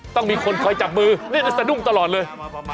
ต้องมีคนคอยจับมือนี่จะสะดุ้งตลอดเลย